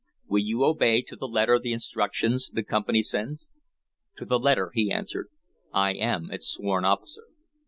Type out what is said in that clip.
"Will you obey to the letter the instructions the Company sends?" "To the letter," he answered. "I am its sworn officer."